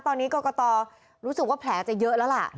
ตอนนี้กรกตรู้สึกว่าแผลจะเยอะแล้วล่ะ